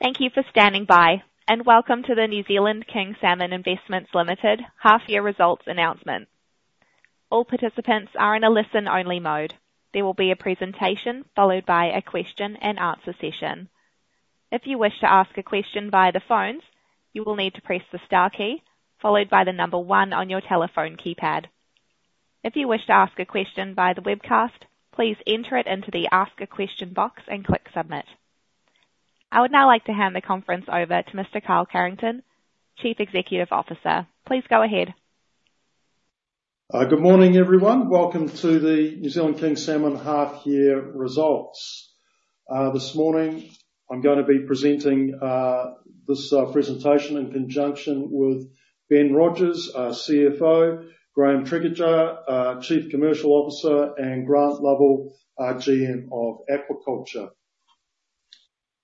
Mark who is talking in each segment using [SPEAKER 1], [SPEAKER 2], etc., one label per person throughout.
[SPEAKER 1] Thank you for standing by, and welcome to the New Zealand King Salmon Investments Limited half-year results announcement. All participants are in a listen-only mode. There will be a presentation, followed by a question and answer session. If you wish to ask a question via the phones, you will need to press the star key, followed by the number one on your telephone keypad. If you wish to ask a question via the webcast, please enter it into the Ask a Question box and click Submit. I would now like to hand the conference over to Mr. Carl Carrington, Chief Executive Officer. Please go ahead.
[SPEAKER 2] Good morning, everyone. Welcome to the New Zealand King Salmon half-year results. This morning, I'm gonna be presenting this presentation in conjunction with Ben Rogers, our CFO, Graeme Tregidga, our Chief Commercial Officer, and Grant Lovell, our GM of Aquaculture.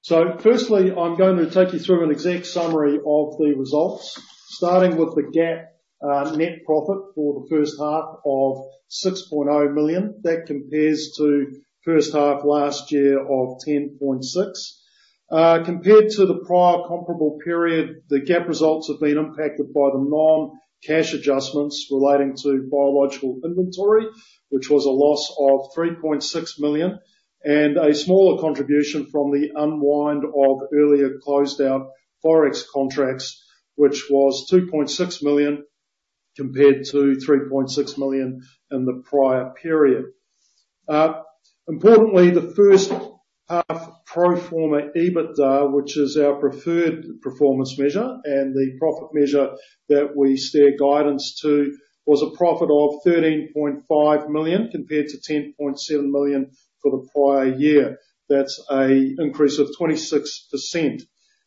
[SPEAKER 2] So firstly, I'm going to take you through an exec summary of the results, starting with the GAAP net profit for the first half of 6.0 million. That compares to first half last year of 10.6 million. Compared to the prior comparable period, the GAAP results have been impacted by the non-cash adjustments relating to biological inventory, which was a loss of 3.6 million, and a smaller contribution from the unwind of earlier closed-out forex contracts, which was 2.6 million, compared to 3.6 million in the prior period. Importantly, the first half pro forma EBITDA, which is our preferred performance measure, and the profit measure that we steer guidance to, was a profit of 13.5 million, compared to 10.7 million for the prior year. That's an increase of 26%.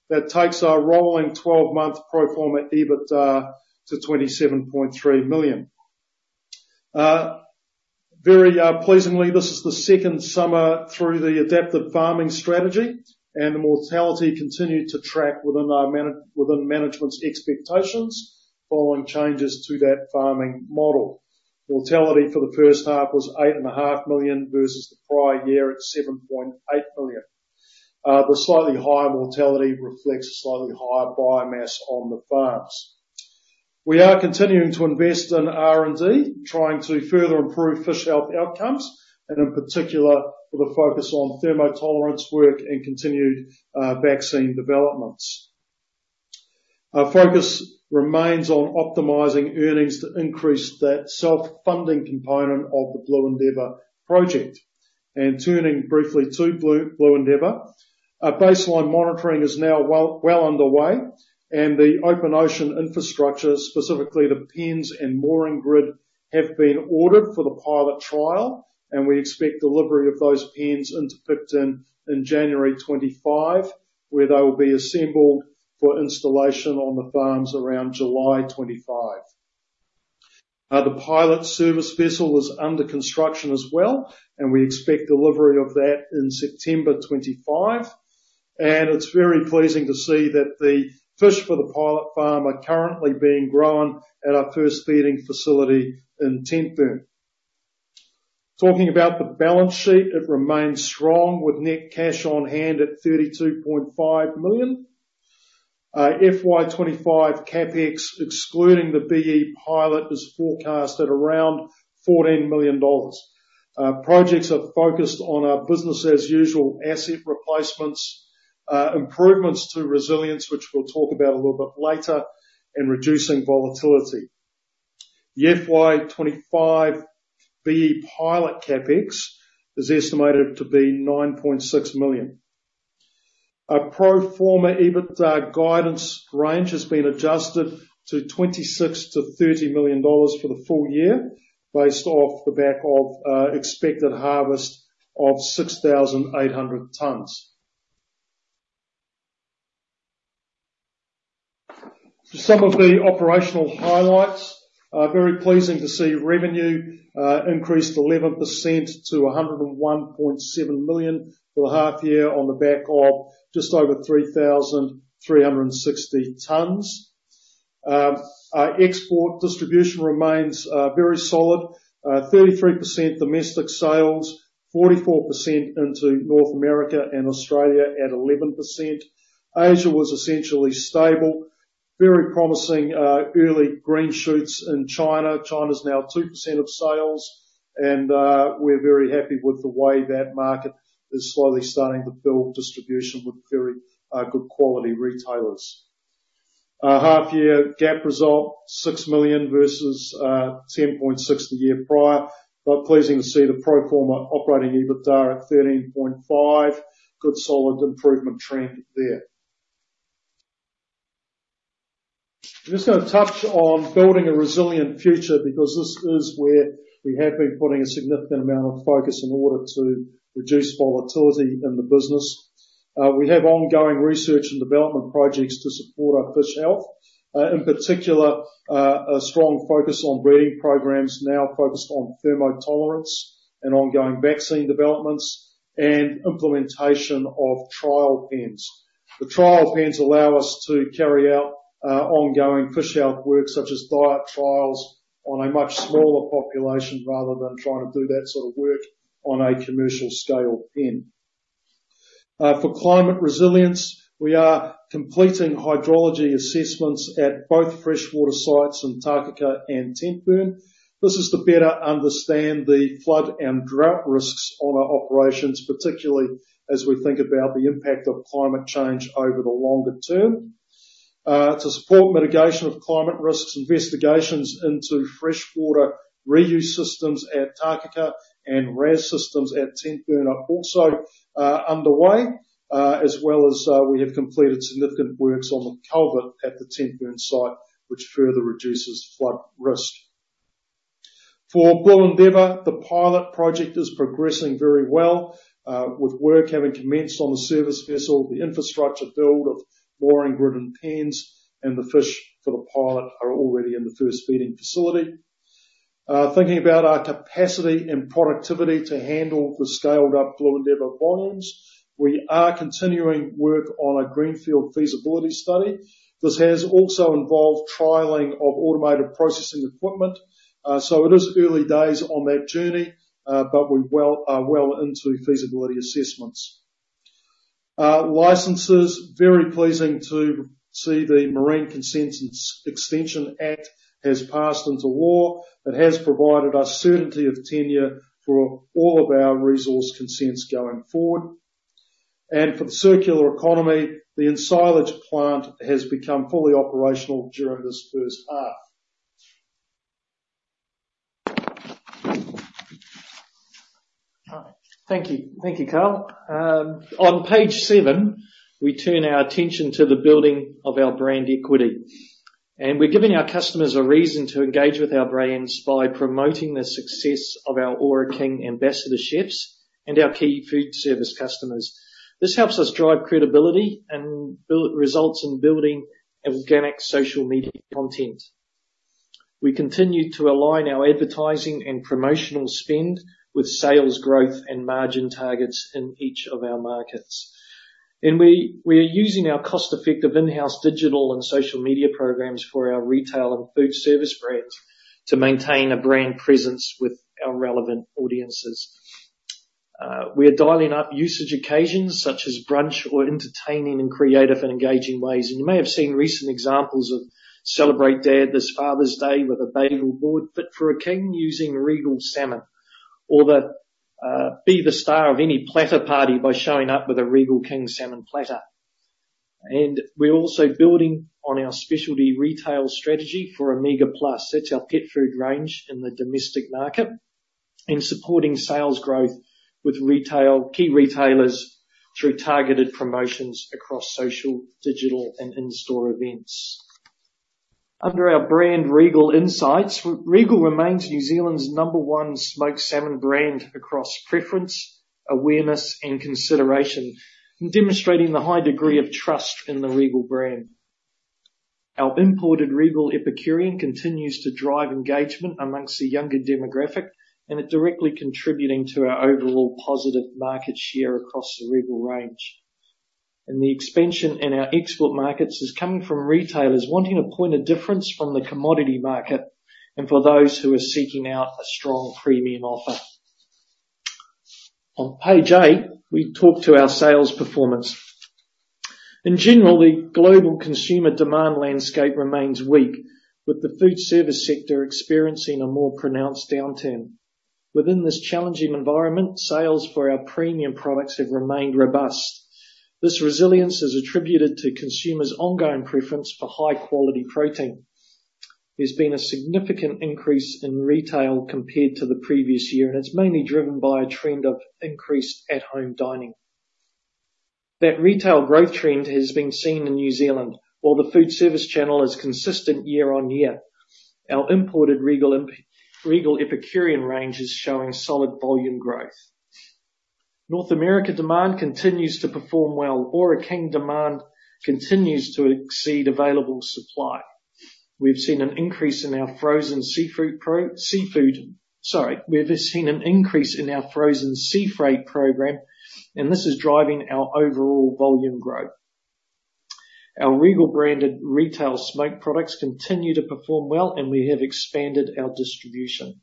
[SPEAKER 2] That takes our rolling 12-month pro forma EBITDA to 27.3 million. Very, pleasingly, this is the second summer through the adaptive farming strategy, and the mortality continued to track within our within management's expectations, following changes to that farming model. Mortality for the first half was 8.5 million, versus the prior year at 7.8 million. The slightly higher mortality reflects a slightly higher biomass on the farms. We are continuing to invest in R&D, trying to further improve fish health outcomes, and in particular, with a focus on thermotolerance work and continued vaccine developments. Our focus remains on optimizing earnings to increase that self-funding component of the Blue Endeavour project. And turning briefly to Blue, Blue Endeavour, our baseline monitoring is now well underway, and the open ocean infrastructure, specifically the pens and mooring grid, have been ordered for the pilot trial, and we expect delivery of those pens into Picton in January 2025, where they will be assembled for installation on the farms around July 2025. The pilot service vessel is under construction as well, and we expect delivery of that in September 2025. And it's very pleasing to see that the fish for the pilot farm are currently being grown at our first feeding facility in Tentburn. Talking about the balance sheet, it remains strong, with net cash on hand at 32.5 million. FY 2025 CapEx, excluding the BE pilot, is forecast at around 14 million dollars. Projects are focused on our business-as-usual asset replacements, improvements to resilience, which we'll talk about a little bit later, and reducing volatility. The FY 2025 BE pilot CapEx is estimated to be 9.6 million. Our pro forma EBITDA guidance range has been adjusted to 26 million-30 million dollars for the full year, based off the back of expected harvest of 6,800 tons. To some of the operational highlights, very pleasing to see revenue increase 11% to 101.7 million for the half year, on the back of just over 3,360 tons. Our export distribution remains very solid, 33% domestic sales, 44% into North America, and Australia at 11%. Asia was essentially stable. Very promising early green shoots in China. China's now 2% of sales, and we're very happy with the way that market is slowly starting to build distribution with very good quality retailers. Our half-year GAAP result 6 million versus 10.6 million the year prior. Quite pleasing to see the pro forma operating EBITDA at 13.5 million. Good, solid improvement trend there. I'm just gonna touch on building a resilient future, because this is where we have been putting a significant amount of focus in order to reduce volatility in the business. We have ongoing research and development projects to support our fish health, in particular, a strong focus on breeding programs now focused on thermotolerance and ongoing vaccine developments, and implementation of trial pens. The trial pens allow us to carry out ongoing fish health work, such as diet trials, on a much smaller population, rather than trying to do that sort of work on a commercial scale pen. For climate resilience, we are completing hydrology assessments at both freshwater sites in Takaka and Tentburn. This is to better understand the flood and drought risks on our operations, particularly as we think about the impact of climate change over the longer term. To support mitigation of climate risks, investigations into freshwater reuse systems at Takaka and RAS systems at Tentburn are also underway, as well as we have completed significant works on the culvert at the Tentburn site, which further reduces flood risk. For Blue Endeavour, the pilot project is progressing very well, with work having commenced on the service vessel, the infrastructure build of mooring grid and pens, and the fish for the pilot are already in the first feeding facility. Thinking about our capacity and productivity to handle the scaled-up Blue Endeavour volumes, we are continuing work on a greenfield feasibility study. This has also involved trialing of automated processing equipment. It is early days on that journey, but we are well into feasibility assessments. Licenses, very pleasing to see the Marine Consents Extension Act has passed into law. It has provided us certainty of tenure for all of our resource consents going forward, and for the circular economy, the ensilage plant has become fully operational during this first half.
[SPEAKER 3] Thank you. Thank you, Carl. On page seven, we turn our attention to the building of our brand equity, and we're giving our customers a reason to engage with our brands by promoting the success of our Ōra King ambassadorships and our key food service customers. This helps us drive credibility and build results in building organic social media content. We continue to align our advertising and promotional spend with sales growth and margin targets in each of our markets. And we are using our cost-effective in-house digital and social media programs for our retail and food service brands to maintain a brand presence with our relevant audiences. We are dialing up usage occasions such as brunch or entertaining in creative and engaging ways. And you may have seen recent examples of, "Celebrate Dad this Father's Day with a bagel board fit for a king using Regal salmon," or the, "Be the star of any platter party by showing up with a Regal King Salmon platter." And we're also building on our specialty retail strategy for Omega Plus. That's our pet food range in the domestic market, and supporting sales growth with retail, key retailers through targeted promotions across social, digital, and in-store events. Under our brand, Regal Insights, Regal remains New Zealand's number one smoked salmon brand across preference, awareness, and consideration, and demonstrating the high degree of trust in the Regal brand. Our imported Regal Epicurean continues to drive engagement among the younger demographic, and are directly contributing to our overall positive market share across the Regal range. The expansion in our export markets is coming from retailers wanting a point of difference from the commodity market, and for those who are seeking out a strong premium offer. On page eight, we talk to our sales performance. In general, the global consumer demand landscape remains weak, with the food service sector experiencing a more pronounced downturn. Within this challenging environment, sales for our premium products have remained robust. This resilience is attributed to consumers' ongoing preference for high-quality protein. There's been a significant increase in retail compared to the previous year, and it's mainly driven by a trend of increased at-home dining. That retail growth trend has been seen in New Zealand. While the food service channel is consistent year-on-year, our imported Regal Epicurean range is showing solid volume growth. North America demand continues to perform well. Ōra King demand continues to exceed available supply. We've seen an increase in our frozen sea freight program, and this is driving our overall volume growth. Our Regal-branded retail smoked products continue to perform well, and we have expanded our distribution.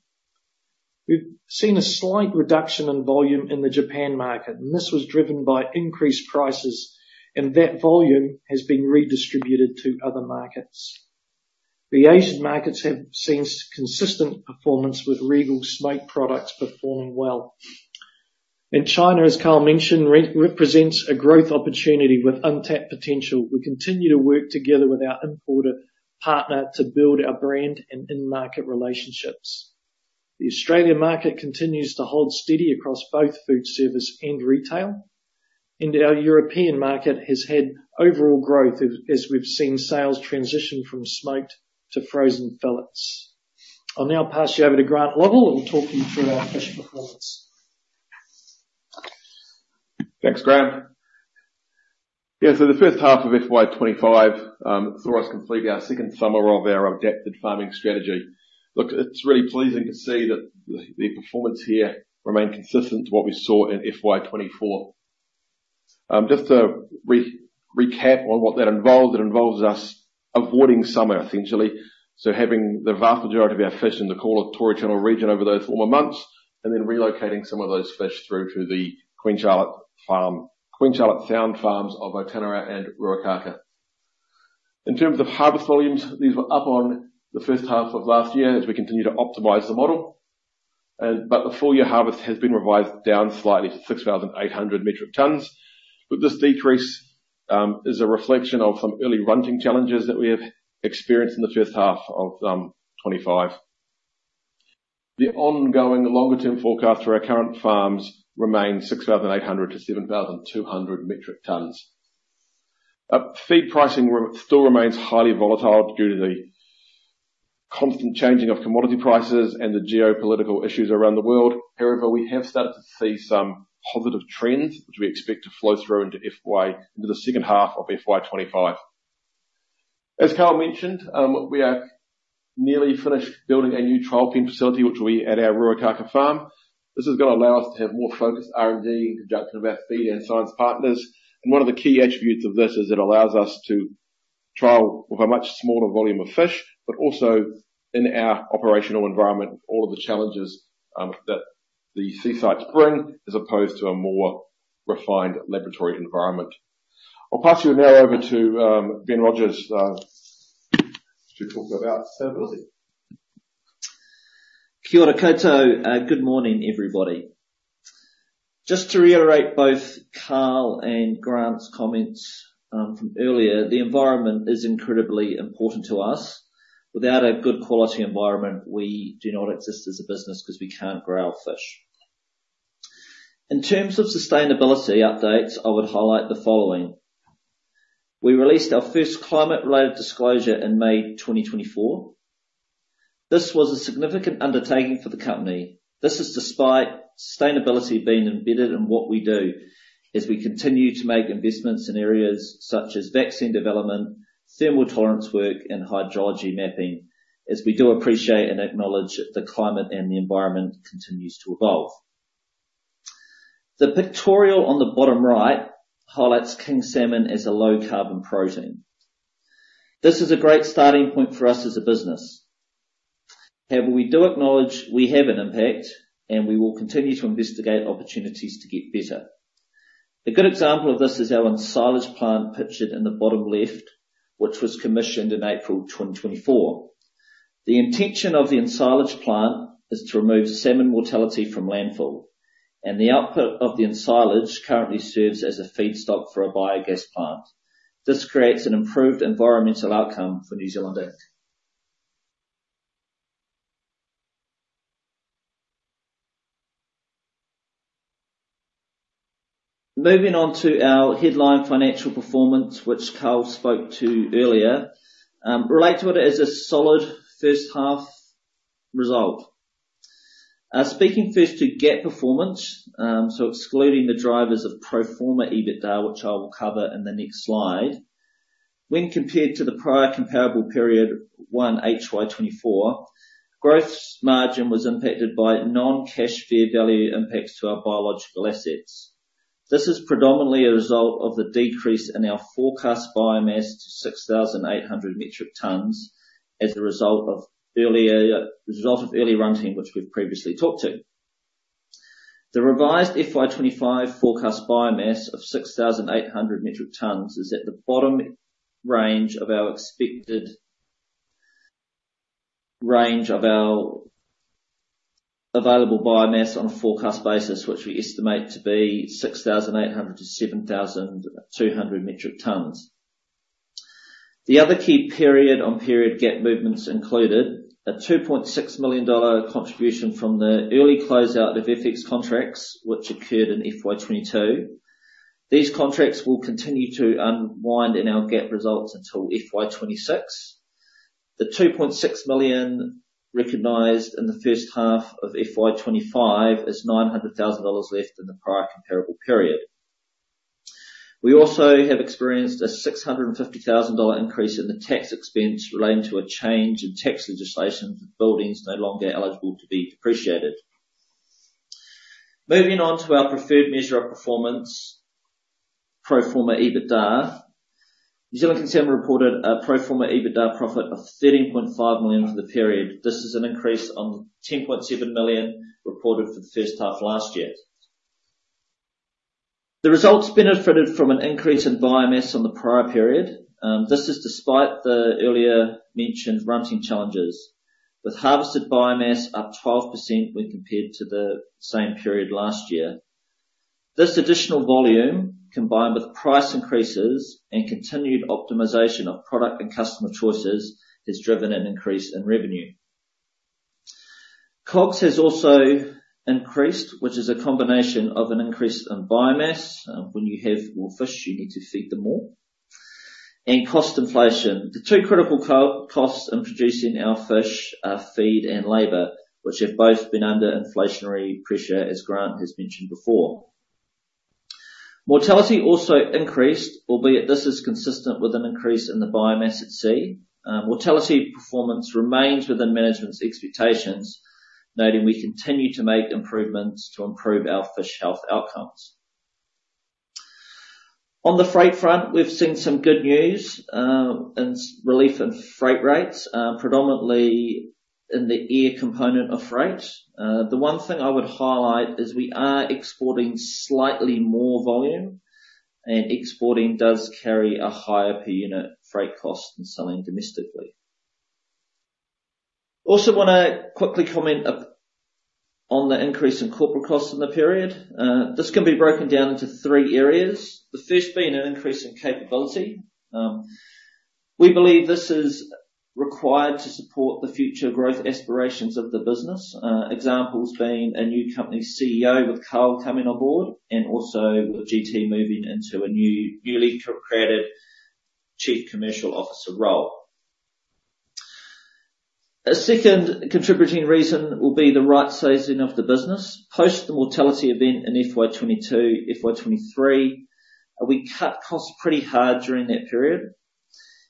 [SPEAKER 3] We've seen a slight reduction in volume in the Japan market, and this was driven by increased prices, and that volume has been redistributed to other markets. The Asian markets have seen consistent performance, with Regal smoked products performing well. In China, as Carl mentioned, represents a growth opportunity with untapped potential. We continue to work together with our importer partner to build our brand and in-market relationships. The Australian market continues to hold steady across both food service and retail, and our European market has had overall growth, as we've seen sales transition from smoked to frozen fillets. I'll now pass you over to Grant Lovell, who will talk you through our fresh performance.
[SPEAKER 4] Thanks, Graeme. Yeah, so the first half of FY 2025 saw us complete our second summer of our adapted farming strategy. Look, it's really pleasing to see that the performance here remained consistent to what we saw in FY 2024. Just to recap on what that involved, it involves us-... avoiding summer, essentially. So having the vast majority of our fish in the Tory Channel region over those warmer months, and then relocating some of those fish through to the Queen Charlotte farm, Queen Charlotte Sound farms of Otanerau and Ruakaka. In terms of harvest volumes, these were up on the first half of last year as we continue to optimize the model. But the full-year harvest has been revised down slightly to 6,800 metric tons, but this decrease is a reflection of some early runting challenges that we have experienced in the first half of 2025. The ongoing longer-term forecast for our current farms remains 6,800-7,200 metric tons. Feed pricing still remains highly volatile due to the constant changing of commodity prices and the geopolitical issues around the world. However, we have started to see some positive trends, which we expect to flow through into FY, into the second half of FY 2025. As Carl mentioned, we are nearly finished building a new trial pen facility, which will be at our Ruakaka farm. This is gonna allow us to have more focused R&D in conjunction with our feed and science partners. And one of the key attributes of this is it allows us to trial with a much smaller volume of fish, but also in our operational environment, all of the challenges that the seaside brings, as opposed to a more refined laboratory environment. I'll pass you now over to Ben Rogers to talk about sustainability.
[SPEAKER 5] Kia ora koutou. Good morning, everybody. Just to reiterate both Carl and Grant's comments from earlier, the environment is incredibly important to us. Without a good quality environment, we do not exist as a business because we can't grow our fish. In terms of sustainability updates, I would highlight the following: We released our first climate-related disclosure in May 2024. This was a significant undertaking for the company. This is despite sustainability being embedded in what we do, as we continue to make investments in areas such as vaccine development, thermal tolerance work, and hydrology mapping, as we do appreciate and acknowledge that the climate and the environment continues to evolve. The pictorial on the bottom right highlights King salmon as a low-carbon protein. This is a great starting point for us as a business. However, we do acknowledge we have an impact, and we will continue to investigate opportunities to get better. A good example of this is our ensilage plant pictured in the bottom left, which was commissioned in April 2024. The intention of the ensilage plant is to remove salmon mortality from landfill, and the output of the ensilage currently serves as a feedstock for a biogas plant. This creates an improved environmental outcome for New Zealand Inc. Moving on to our headline financial performance, which Carl spoke to earlier, relate to it as a solid first half result. Speaking first to GAAP performance, so excluding the drivers of pro forma EBITDA, which I will cover in the next slide. When compared to the prior comparable period, one HY 2024, gross margin was impacted by non-cash fair value impacts to our biological assets. This is predominantly a result of the decrease in our forecast biomass to 6,800 metric tons as a result of earlier result of early runting, which we've previously talked to. The revised FY 2025 forecast biomass of 6,800 metric tons is at the bottom range of our expected range of our available biomass on a forecast basis, which we estimate to be 6,800-7,200 metric tons. The other key period on period GAAP movements included a 2.6 million dollar contribution from the early close out of FX contracts, which occurred in FY 2022. These contracts will continue to unwind in our GAAP results until FY 2026. The 2.6 million, recognized in the first half of FY 2025 is 900,000 dollars left in the prior comparable period. We also have experienced a 650,000 dollar increase in the tax expense relating to a change in tax legislation, with buildings no longer eligible to be depreciated. Moving on to our preferred measure of performance, pro forma EBITDA. New Zealand Consumer reported a pro forma EBITDA profit of 13.5 million for the period. This is an increase on 10.7 million, reported for the first half last year. The results benefited from an increase in biomass on the prior period. This is despite the earlier mentioned runting challenges, with harvested biomass up 12% when compared to the same period last year. This additional volume, combined with price increases and continued optimization of product and customer choices, has driven an increase in revenue. COGS has also increased, which is a combination of an increase in biomass, when you have more fish, you need to feed them more, and cost inflation. The two critical costs in producing our fish are feed and labor, which have both been under inflationary pressure, as Grant has mentioned before. Mortality also increased, albeit this is consistent with an increase in the biomass at sea. Mortality performance remains within management's expectations, noting we continue to make improvements to improve our fish health outcomes. On the freight front, we've seen some good news in relief in freight rates, predominantly in the air component of freight. The one thing I would highlight is we are exporting slightly more volume, and exporting does carry a higher per unit freight cost than selling domestically. Also, want to quickly comment upon the increase in corporate costs in the period. This can be broken down into three areas, the first being an increase in capability. We believe this is required to support the future growth aspirations of the business. Examples being a new company CEO, with Carl coming on board, and also with GT moving into a newly created Chief Commercial Officer role. A second contributing reason will be the right sizing of the business. Post the mortality event in FY 2022, FY 2023, we cut costs pretty hard during that period,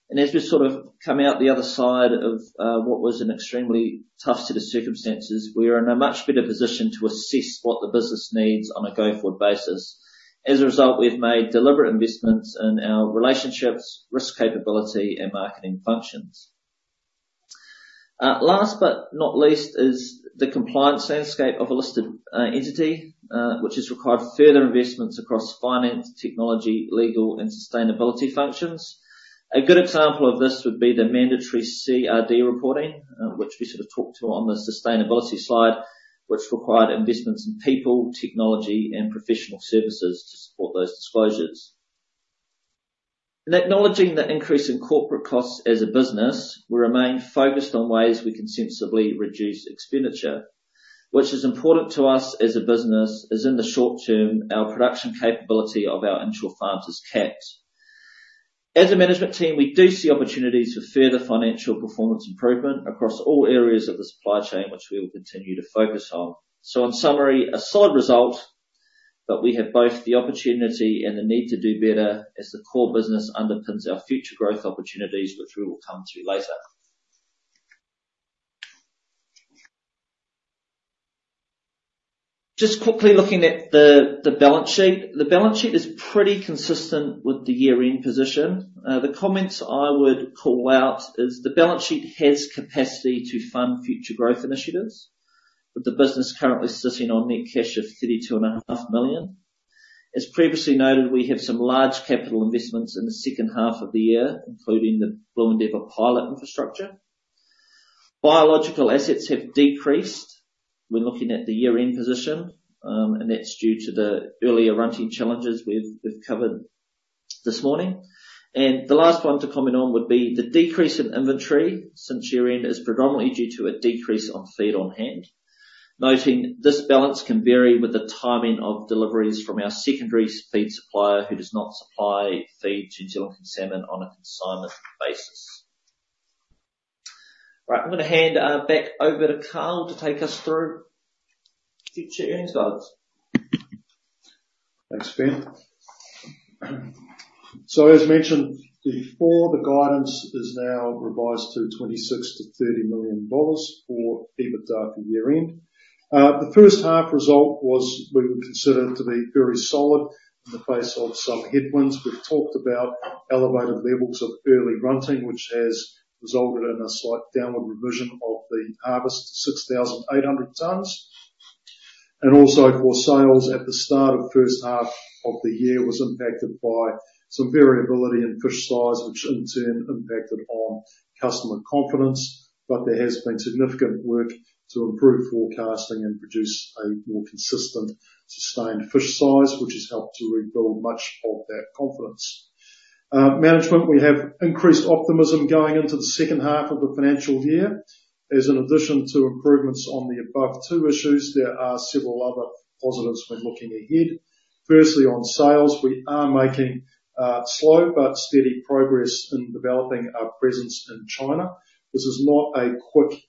[SPEAKER 5] and as we sort of come out the other side of what was an extremely tough set of circumstances, we are in a much better position to assess what the business needs on a going-forward basis. As a result, we've made deliberate investments in our relationships, risk capability, and marketing functions. Last but not least, is the compliance landscape of a listed entity, which has required further investments across finance, technology, legal, and sustainability functions. A good example of this would be the mandatory CRD reporting, which we sort of talked to on the sustainability slide, which required investments in people, technology, and professional services to support those disclosures. In acknowledging the increase in corporate costs as a business, we remain focused on ways we can sensibly reduce expenditure, which is important to us as a business, as in the short term, our production capability of our inshore farms is capped. As a management team, we do see opportunities for further financial performance improvement across all areas of the supply chain, which we will continue to focus on. So in summary, a solid result, but we have both the opportunity and the need to do better, as the core business underpins our future growth opportunities, which we will come to later. Just quickly looking at the balance sheet. The balance sheet is pretty consistent with the year-end position. The comments I would call out is, the balance sheet has capacity to fund future growth initiatives, with the business currently sitting on net cash of 32.5 million. As previously noted, we have some large capital investments in the second half of the year, including the Blue Endeavour pilot infrastructure. Biological assets have decreased. We're looking at the year-end position, and that's due to the earlier runting challenges we've covered this morning. And the last one to comment on would be the decrease in inventory since year-end, is predominantly due to a decrease on feed on hand, noting this balance can vary with the timing of deliveries from our secondary feed supplier, who does not supply feed to Chilean salmon on a consignment basis. Right. I'm gonna hand back over to Carl to take us through future earnings guides.
[SPEAKER 2] Thanks, Ben. So as mentioned before, the guidance is now revised to 26-30 million dollars for EBITDA for year-end. The first half result was, we would consider to be very solid in the face of some headwinds. We've talked about elevated levels of runting, which has resulted in a slight downward revision of the harvest, 6,800 tons. And also for sales at the start of the first half of the year, was impacted by some variability in fish size, which in turn impacted on customer confidence. But there has been significant work to improve forecasting and produce a more consistent, sustained fish size, which has helped to rebuild much of that confidence. Management, we have increased optimism going into the second half of the financial year. As an addition to improvements on the above two issues, there are several other positives when looking ahead. Firstly, on sales, we are making slow but steady progress in developing our presence in China. This is not a quick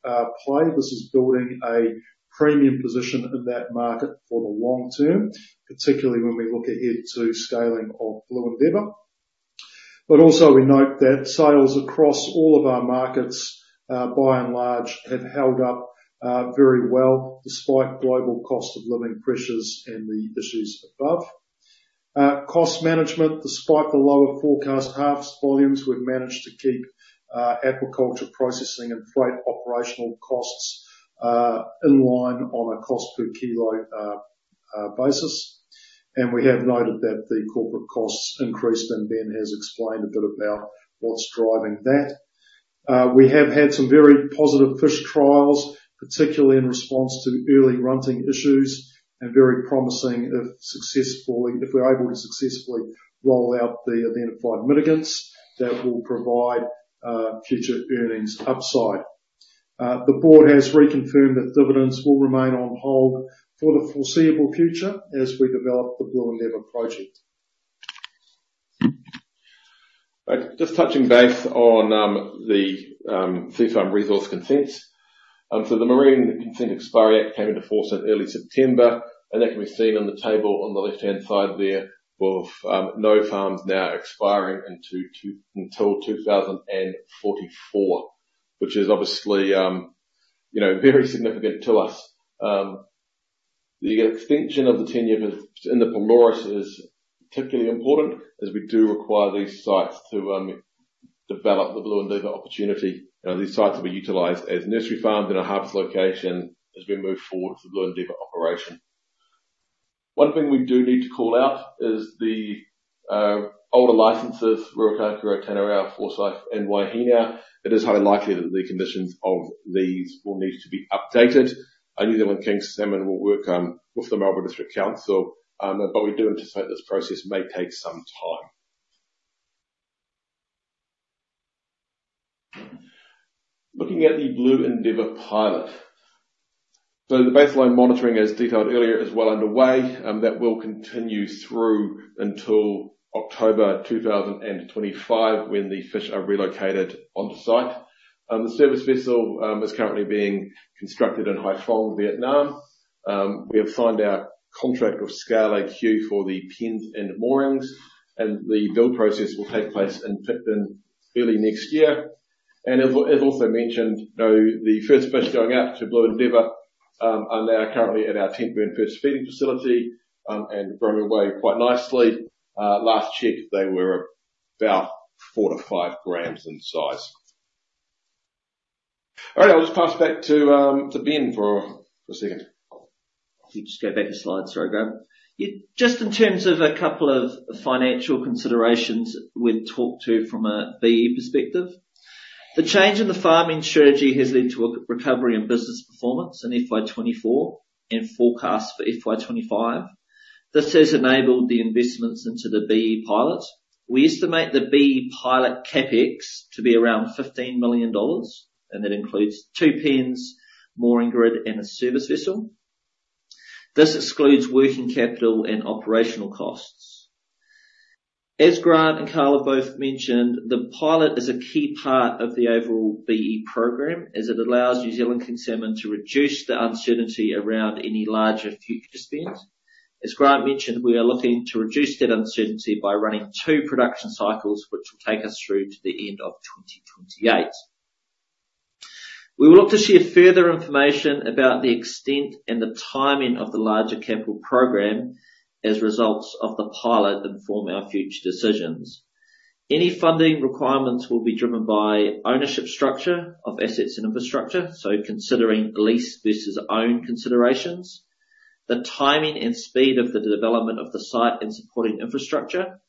[SPEAKER 2] play. This is building a premium position in that market for the long term, particularly when we look ahead to scaling of Blue Endeavour. But also, we note that sales across all of our markets, by and large, have held up very well, despite global cost of living pressures and the issues above. Cost management, despite the lower forecast harvest volumes, we've managed to keep agriculture, processing, and freight operational costs in line on a cost-per-kilo basis. And we have noted that the corporate costs increased, and Ben has explained a bit about what's driving that. We have had some very positive fish trials, particularly in response to early runting issues, and very promising if we're able to successfully roll out the identified mitigants, that will provide future earnings upside. The board has reconfirmed that dividends will remain on hold for the foreseeable future as we develop the Blue Endeavour project.
[SPEAKER 3] Just touching base on the sea farm resource consents. The Marine Consents Extension Act came into force in early September, and that can be seen on the table on the left-hand side there, with no farms now expiring until 2044, which is obviously, you know, very significant to us. The extension of the tenure in the Pelorus is particularly important, as we do require these sites to develop the Blue Endeavour opportunity. Now, these sites will be utilized as nursery farms and a harvest location as we move forward to the Blue Endeavour operation. One thing we do need to call out is the older licenses, Ruakaka, Otanerau, Forsyth, and Waihinau. It is highly likely that the conditions of these will need to be updated, and New Zealand King Salmon will work with the Marlborough District Council, but we do anticipate this process may take some time. Looking at the Blue Endeavour pilot so the baseline monitoring, as detailed earlier, is well underway. That will continue through until October 2025, when the fish are relocated onto site. The service vessel is currently being constructed in Haiphong, Vietnam. We have signed our contract with ScaleAQ for the pens and moorings, and the build process will take place in Picton early next year, and as also mentioned, you know, the first fish going out to Blue Endeavour are now currently at our Tentburn first feeding facility and growing away quite nicely. Last check, they were about four-to-five grams in size. All right, I'll just pass back to Ben for a second.
[SPEAKER 5] If you just go back to slides, sorry, Grant. Yeah, just in terms of a couple of financial considerations we'd talk to from a BE perspective. The change in the farming strategy has led to a recovery in business performance in FY 2024 and forecast for FY 2025. This has enabled the investments into the BE pilot. We estimate the BE pilot CapEx to be around 15 million dollars, and that includes two pens, mooring grid, and a service vessel. This excludes working capital and operational costs. As Grant and Carl have both mentioned, the pilot is a key part of the overall BE program, as it allows New Zealand King Salmon to reduce the uncertainty around any larger future spends. As Grant mentioned, we are looking to reduce that uncertainty by running two production cycles, which will take us through to the end of 2028. We will look to share further information about the extent and the timing of the larger capital program as results of the pilot inform our future decisions. Any funding requirements will be driven by ownership structure of assets and infrastructure, so considering lease versus own considerations, the timing and speed of the development of the site and supporting infrastructure,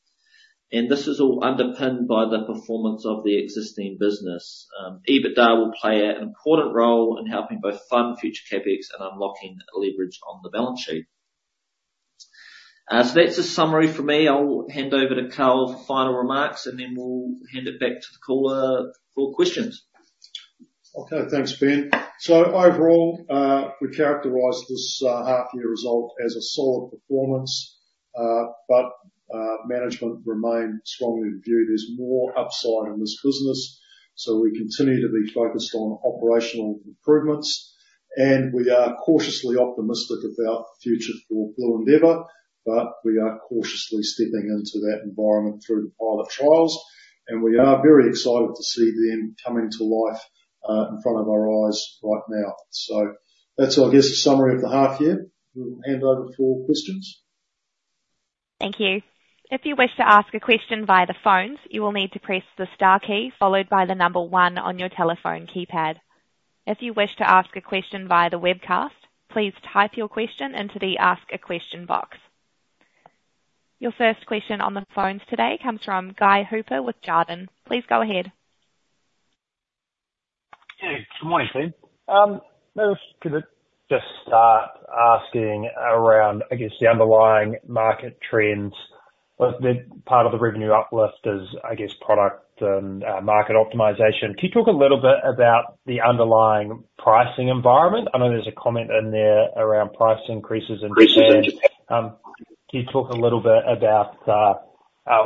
[SPEAKER 5] and this is all underpinned by the performance of the existing business. EBITDA will play an important role in helping both fund future CapEx and unlocking leverage on the balance sheet. So that's a summary from me. I'll hand over to Carl for final remarks, and then we'll hand it back to the caller for questions.
[SPEAKER 2] Okay, thanks, Ben. Overall, we characterize this half year result as a solid performance, but management remains strongly viewed. There's more upside in this business, so we continue to be focused on operational improvements, and we are cautiously optimistic about the future for Blue Endeavour, but we are cautiously stepping into that environment through the pilot trials, and we are very excited to see them coming to life in front of our eyes right now. That's, I guess, a summary of the half year. We'll hand over for questions.
[SPEAKER 1] Thank you. If you wish to ask a question via the phones, you will need to press the star key followed by the number one on your telephone keypad. If you wish to ask a question via the webcast, please type your question into the Ask a Question box. Your first question on the phones today comes from Guy Hooper with Jarden. Please go ahead.
[SPEAKER 6] Yeah, good morning, team. I was gonna just start asking around, I guess, the underlying market trends. Was the part of the revenue uplift is, I guess, product and market optimization. Can you talk a little bit about the underlying pricing environment? I know there's a comment in there around price increases and-Increases in Japan. Can you talk a little bit about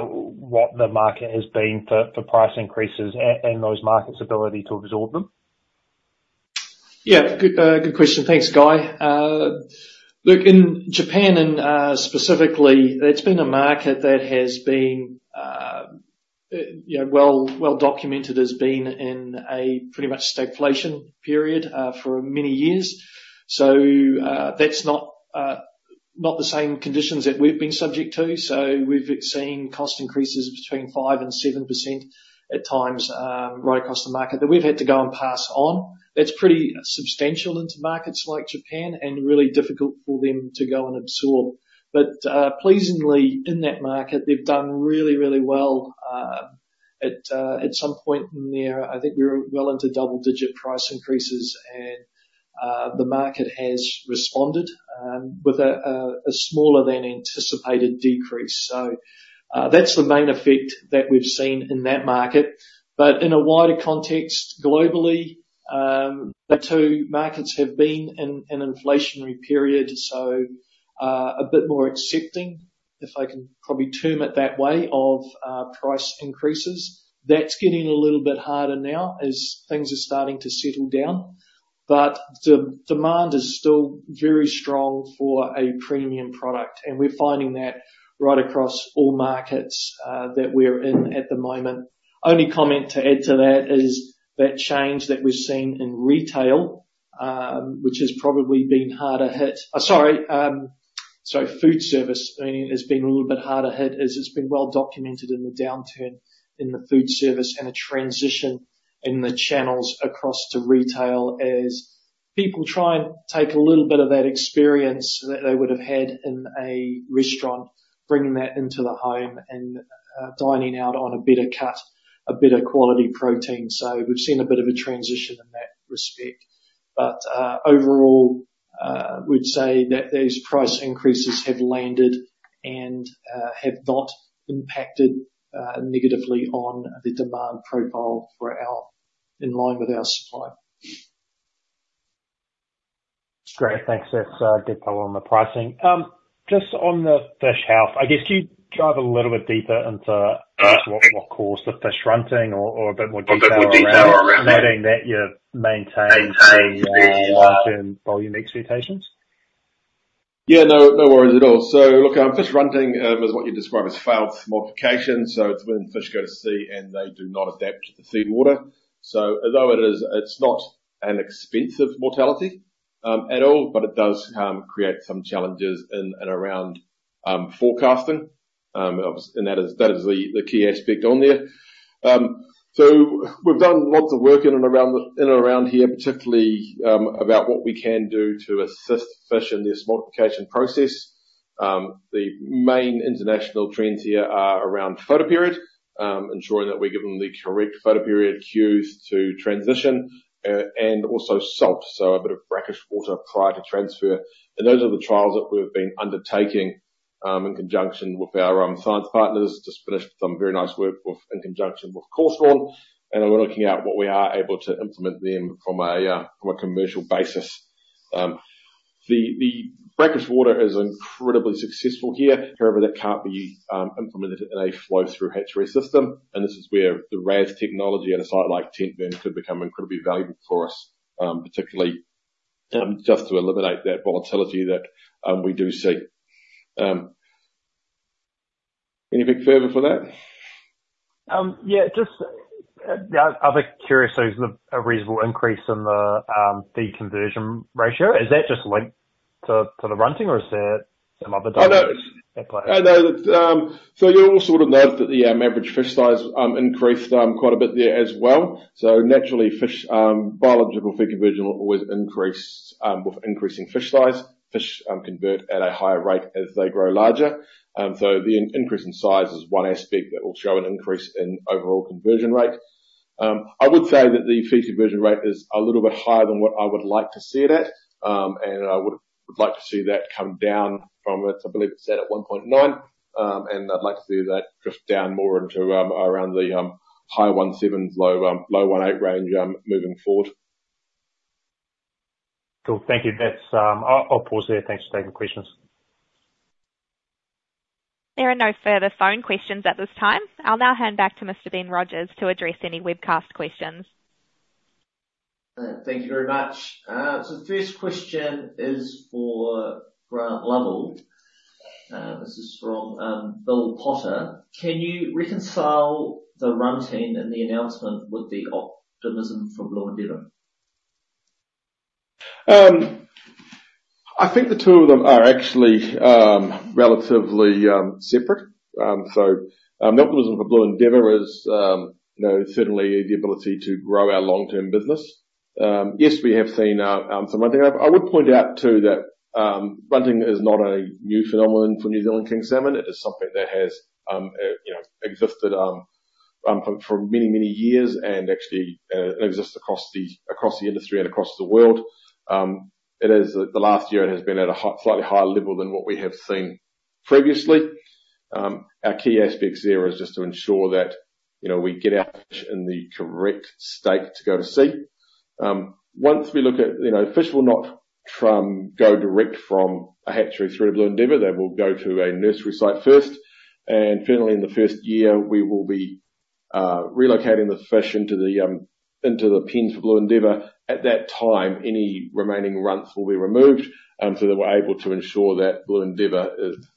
[SPEAKER 6] what the market has been for price increases and those markets' ability to absorb them?
[SPEAKER 3] Yeah, good, good question. Thanks, Guy. Look, in Japan and, specifically, that's been a market that has been, you know, well, well-documented as being in a pretty much stagflation period, for many years. So, that's not, not the same conditions that we've been subject to. So we've seen cost increases between 5% and 7% at times, right across the market that we've had to go and pass on. That's pretty substantial into markets like Japan and really difficult for them to go and absorb. But, pleasingly, in that market, they've done really, really well. At some point in there, I think we were well into double-digit price increases, and, the market has responded, with a smaller-than-anticipated decrease. So, that's the main effect that we've seen in that market. But in a wider context, globally, the two markets have been in an inflationary period, so, a bit more accepting, if I can probably term it that way, of, price increases. That's getting a little bit harder now as things are starting to settle down, but demand is still very strong for a premium product, and we're finding that right across all markets, that we're in at the moment. Only comment to add to that is that change that we've seen in retail, which has probably been harder hit... So food service has been a little bit harder hit, as it's been well documented in the downturn in the food service, and a transition in the channels across to retail, as people try and take a little bit of that experience that they would've had in a restaurant, bringing that into the home, and dining out on a better cut, a better quality protein. So we've seen a bit of a transition in that respect. But overall, we'd say that these price increases have landed, and have not impacted negatively on the demand profile for our... In line with our supply.
[SPEAKER 6] Great. Thanks, that's a good follow on the pricing. Just on the fish health, I guess, could you dive a little bit deeper into what caused the fish runting, or a bit more detail around that?
[SPEAKER 4] A bit more detail around that.
[SPEAKER 6] Meaning that you've maintained the-
[SPEAKER 4] Maintained the,
[SPEAKER 6] Long-term volume expectations?
[SPEAKER 4] Yeah, no, no worries at all. So look, fish runting is what you describe as failed smoltification. So it's when fish go to sea, and they do not adapt to the seawater. So although it is, it's not an expensive mortality at all, but it does create some challenges in and around forecasting. And that is the key aspect on there. So we've done lots of work in and around here, particularly, about what we can do to assist fish in their smoltification process. The main international trends here are around photoperiod, ensuring that we give them the correct photoperiod cues to transition, and also salt, so a bit of brackish water prior to transfer. Those are the trials that we've been undertaking in conjunction with our science partners. Just finished some very nice work with, in conjunction with Cawthron Institute, and we're looking at what we are able to implement then from a commercial basis. The brackish water is incredibly successful here. However, that can't be implemented in a flow-through hatchery system, and this is where the RAS technology at a site like Tentburn could become incredibly valuable for us, particularly just to eliminate that volatility that we do see. Anything further for that?
[SPEAKER 6] Yeah, just, I was curious, there was a reasonable increase in the feed conversion ratio. Is that just linked to the runting, or is there some other data-
[SPEAKER 4] I know.
[SPEAKER 6] In play?
[SPEAKER 4] I know, that's. So, you'll also have noted that the average fish size increased quite a bit there as well. So naturally, fish biological feed conversion will always increase with increasing fish size. Fish convert at a higher rate as they grow larger. So, the increase in size is one aspect that will show an increase in overall conversion rate. I would say that the feed conversion rate is a little bit higher than what I would like to see it at. And I would like to see that come down from its, I believe, it's at one point nine. And I'd like to see that drift down more into around the high one sevens, low one eight range moving forward.
[SPEAKER 6] Cool. Thank you. That's. I'll pause there. Thanks for taking the questions.
[SPEAKER 1] There are no further phone questions at this time. I'll now hand back to Mr. Ben Rogers to address any webcast questions.
[SPEAKER 5] Thank you very much. So the first question is for Grant Lovell. This is from Bill Potter: Can you reconcile the runting in the announcement with the optimism for Blue Endeavour?
[SPEAKER 4] I think the two of them are actually relatively separate. So, the optimism for Blue Endeavour is, you know, certainly the ability to grow our long-term business. Yes, we have seen some runting. I would point out, too, that runting is not a new phenomenon for New Zealand King Salmon. It is something that has, you know, existed for many, many years, and actually it exists across the industry and across the world. It is, the last year, it has been at a high, slightly higher level than what we have seen previously. Our key aspects there is just to ensure that, you know, we get our fish in the correct state to go to sea. Once we look at... You know, fish will not go direct from a hatchery through to Blue Endeavour. They will go to a nursery site first, and generally, in the first year, we will be relocating the fish into the pens for Blue Endeavour. At that time, any remaining runts will be removed, so that we're able to ensure that Blue Endeavour is,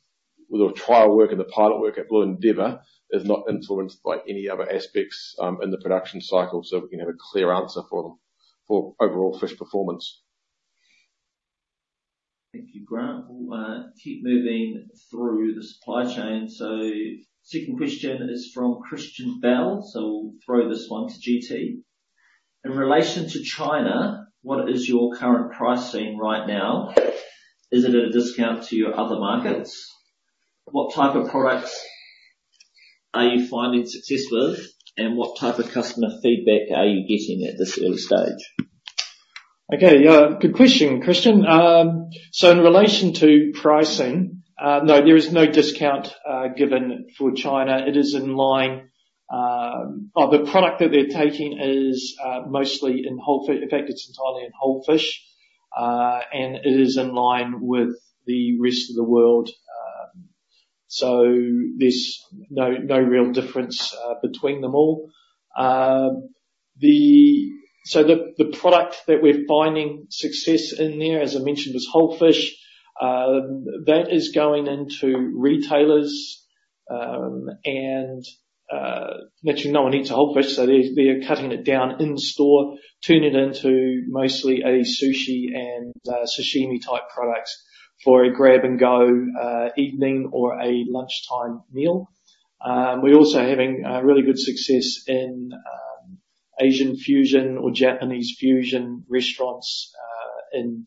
[SPEAKER 4] the trial work and the pilot work at Blue Endeavour, is not influenced by any other aspects in the production cycle, so we can have a clear answer for them, for overall fish performance.
[SPEAKER 5] Thank you, Grant. We'll keep moving through the supply chain. So second question is from Christian Bell. So we'll throw this one to GT. In relation to China, what is your current pricing right now? Is it at a discount to your other markets? What type of products are you finding success with, and what type of customer feedback are you getting at this early stage?
[SPEAKER 3] Okay, yeah, good question, Christian. So in relation to pricing, no, there is no discount given for China. It is in line. The product that they're taking is mostly in whole fish. In fact, it's entirely in whole fish, and it is in line with the rest of the world. So there's no real difference between them all. The product that we're finding success in there, as I mentioned, is whole fish. That is going into retailers. And naturally, no one eats a whole fish, so they are cutting it down in store, turning it into mostly a sushi and sashimi-type product for a grab-and-go evening or a lunchtime meal. We're also having really good success in Asian fusion or Japanese fusion restaurants in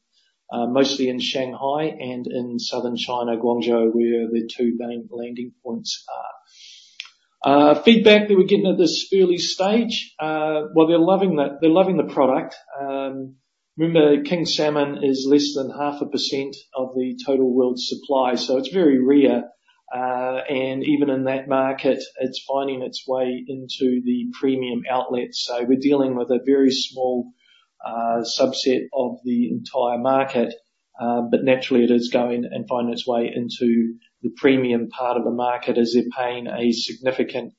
[SPEAKER 3] mostly in Shanghai and in southern China, Guangzhou, where the two main landing points are. Feedback that we're getting at this early stage, well, they're loving the product. Remember, king salmon is less than 0.5% of the total world supply, so it's very rare, and even in that market, it's finding its way into the premium outlets. So we're dealing with a very small subset of the entire market, but naturally, it is going and finding its way into the premium part of the market, as they're paying a significant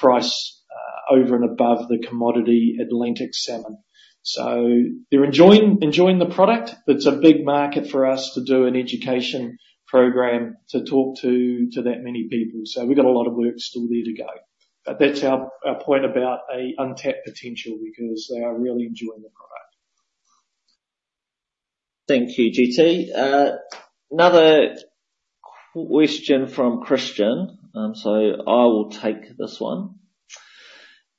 [SPEAKER 3] price over and above the commodity Atlantic salmon. So they're enjoying the product. It's a big market for us to do an education program to talk to that many people, so we've got a lot of work still there to go. But that's our point about an untapped potential, because they are really enjoying the product.
[SPEAKER 5] Thank you, GT. Another question from Christian, so I will take this one.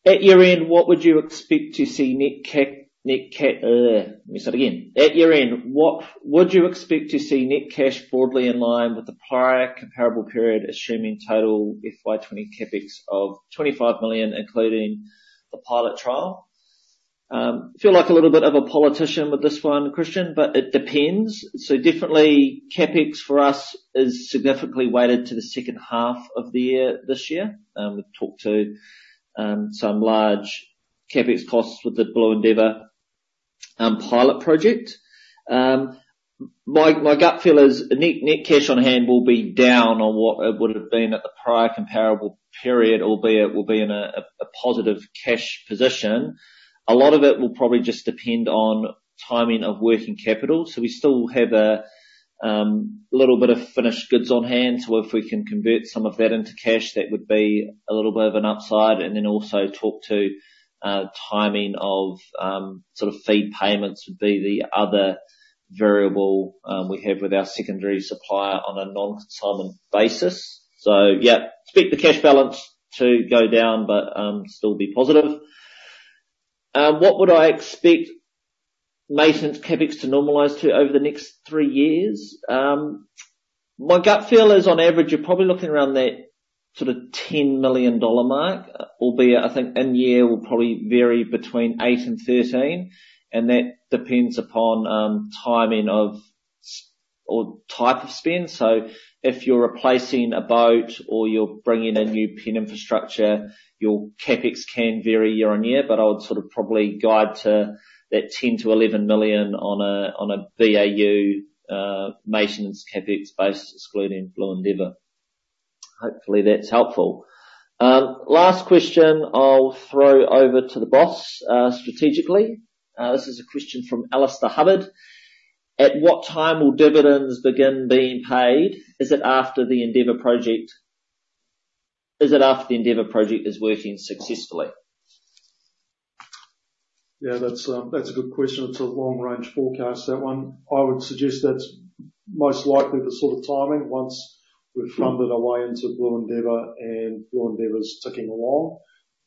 [SPEAKER 5] At year-end, what would you expect to see net cash broadly in line with the prior comparable period, assuming total FY twenty CapEx of 25 million, including the pilot trial? Feel like a little bit of a politician with this one, Christian, but it depends, so definitely, CapEx for us is significantly weighted to the second half of the year, this year. We've talked to some large CapEx costs with the Blue Endeavour pilot project. My gut feel is net cash on hand will be down on what it would have been at the prior comparable period, albeit will be in a positive cash position. A lot of it will probably just depend on timing of working capital. So we still have a little bit of finished goods on hand. So if we can convert some of that into cash, that would be a little bit of an upside. And then also talk to timing of sort of fee payments, would be the other variable we have with our secondary supplier on a non-salmon basis. So yeah, expect the cash balance to go down, but still be positive. What would I expect maintenance CapEx to normalize to over the next three years? My gut feel is, on average, you're probably looking around that sort of 10 million dollar mark, albeit I think in year will probably vary between 8 million and 13 million, and that depends upon timing of or type of spend. If you're replacing a boat or you're bringing in a new pen infrastructure, your CapEx can vary year on year, but I would sort of probably guide to that 10-11 million on a BAU maintenance CapEx basis, excluding Blue Endeavour. Hopefully, that's helpful. Last question I'll throw over to the boss, strategically. This is a question from Alistair Hubbard: At what time will dividends begin being paid? Is it after the Endeavour project... Is it after the Endeavor project is working successfully?
[SPEAKER 2] Yeah, that's, that's a good question. It's a long-range forecast, that one. I would suggest that's most likely the sort of timing. Once we've funded our way into Blue Endeavour, and Blue Endeavour's ticking along,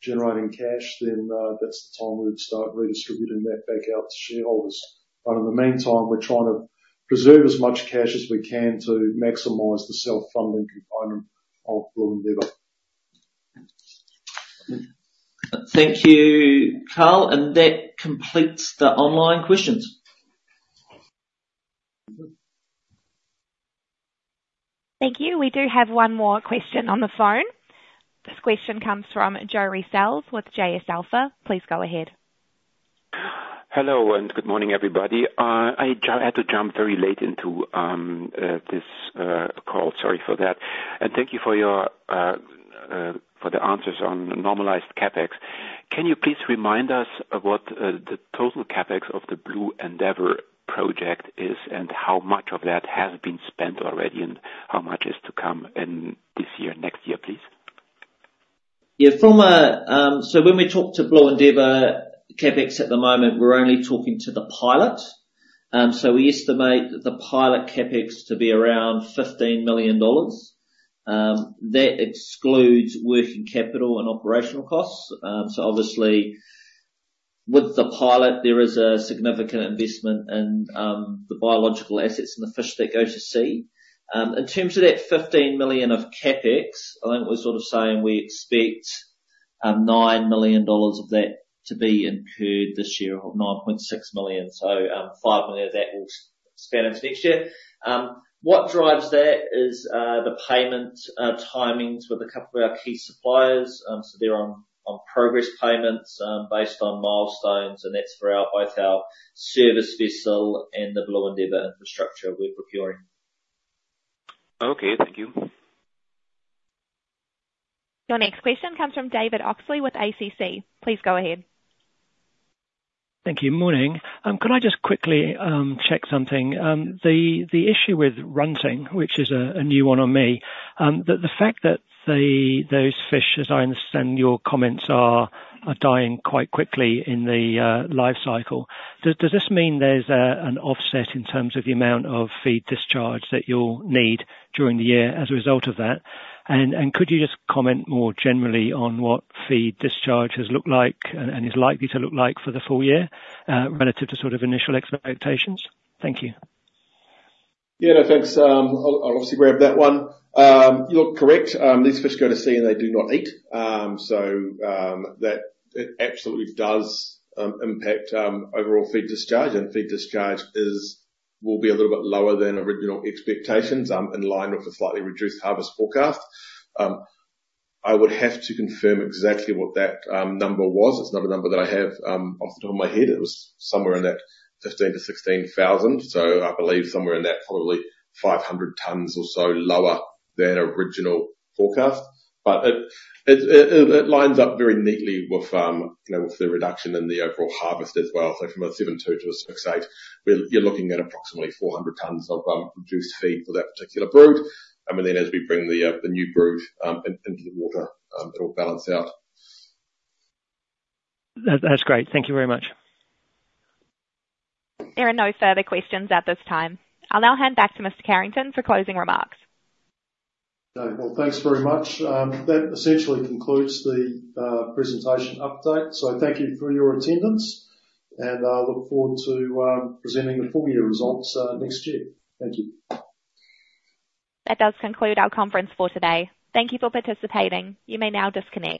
[SPEAKER 2] generating cash, then, that's the time we would start redistributing that back out to shareholders. But in the meantime, we're trying to preserve as much cash as we can to maximize the self-funding component of Blue Endeavour.
[SPEAKER 5] Thank you, Carl, and that completes the online questions.
[SPEAKER 1] Thank you. We do have one more question on the phone. This question comes from Joris Sels with AlphaValue. Please go ahead. Hello, and good morning, everybody. I had to jump very late into this call. Sorry for that. And thank you for your answers on normalized CapEx. Can you please remind us what the total CapEx of the Blue Endeavour project is, and how much of that has been spent already, and how much is to come in this year and next year, please?
[SPEAKER 5] Yeah, so when we talk to Blue Endeavour CapEx at the moment, we're only talking to the pilot. So we estimate the pilot CapEx to be around 15 million dollars. That excludes working capital and operational costs. So obviously, with the pilot, there is a significant investment in the biological assets and the fish that go to sea. In terms of that 15 million of CapEx, I think we're sort of saying we expect 9 million dollars of that to be incurred this year, or 9.6 million. So 5 million of that will span into next year. What drives that is the payment timings with a couple of our key suppliers. So they're on progress payments based on milestones, and that's for both our service vessel and the Blue Endeavour infrastructure we're procuring. Okay, thank you.
[SPEAKER 1] Your next question comes from David Oxley with ACC. Please go ahead. ... Thank you. Morning. Could I just quickly check something? The issue with runting, which is a new one on me, the fact that those fish, as I understand your comments, are dying quite quickly in the life cycle, does this mean there's an offset in terms of the amount of feed discharge that you'll need during the year as a result of that? And could you just comment more generally on what feed discharge has looked like and is likely to look like for the full year, relative to sort of initial expectations? Thank you.
[SPEAKER 4] Yeah, no, thanks. I'll obviously grab that one. You're correct. These fish go to sea, and they do not eat. So that it absolutely does impact overall feed discharge, and feed discharge will be a little bit lower than original expectations, in line with the slightly reduced harvest forecast. I would have to confirm exactly what that number was. It's not a number that I have off the top of my head. It was somewhere in that 15-16 thousand, so I believe somewhere in that probably 500 tons or so lower than original forecast. But it lines up very neatly with, you know, with the reduction in the overall harvest as well, so from a 72 to a 68, where you're looking at approximately 400 tons of reduced feed for that particular brood. I mean, then as we bring the new brood into the water, it'll balance out. That, that's great. Thank you very much.
[SPEAKER 1] There are no further questions at this time. I'll now hand back to Mr. Carrington for closing remarks.
[SPEAKER 2] Okay. Well, thanks very much. That essentially concludes the presentation update, so thank you for your attendance, and I look forward to presenting the full-year results next year. Thank you.
[SPEAKER 1] That does conclude our conference for today. Thank you for participating. You may now disconnect.